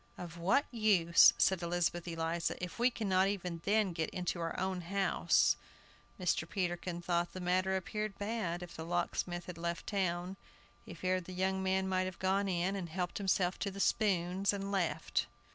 "Of what use," said Elizabeth Eliza, "if we cannot even then get into our own house?" Mr. Peterkin thought the matter appeared bad, if the locksmith had left town. He feared the young man might have gone in, and helped himself to spoons, and left.